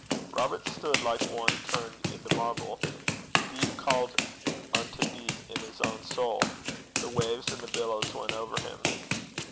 Robert stood like one turned into marble. Deep called unto deep in his soul. The waves and the billows went over him.